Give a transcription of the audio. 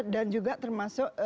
dan juga termasuk